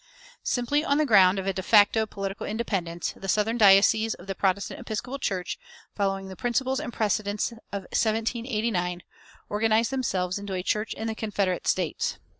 Simply on the ground of a de facto political independence, the southern dioceses of the Protestant Episcopal Church, following the principles and precedents of 1789, organized themselves into a "Church in the Confederate States."